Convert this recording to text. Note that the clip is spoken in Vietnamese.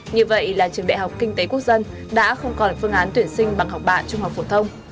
như vậy là trường đại học kinh tế quốc dân đã không còn phương án tuyển sinh bằng học bạ trung học phổ thông